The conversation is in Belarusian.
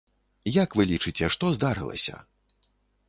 Як вы лічыце, што здарылася?